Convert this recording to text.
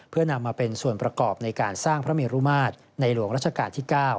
เพื่อนำมาเป็นส่วนประกอบในการสร้างพระเมรุมาตรในหลวงรัชกาลที่๙